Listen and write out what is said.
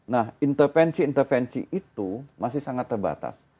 nah intervensi intervensi itu masih sangat terbatas